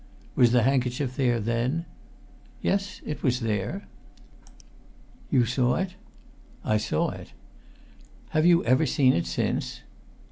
"Was the handkerchief there then?" "Yes, it was there!" "You saw it?" "I saw it." "Have you ever seen it since?"